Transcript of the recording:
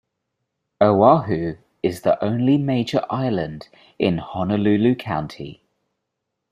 Oahu is the only major island in Honolulu County.